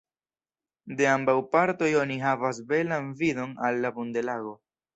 De ambaŭ partoj oni havas belan vidon al la Bodenlago.